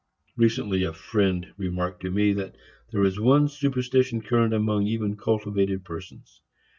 Recently a friend remarked to me that there was one superstition current among even cultivated persons.